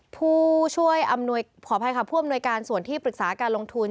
ผู้ช่วยอำนวยขออภัยค่ะผู้อำนวยการส่วนที่ปรึกษาการลงทุน